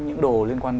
những đồ liên quan